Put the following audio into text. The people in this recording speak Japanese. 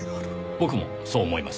僕もそう思います。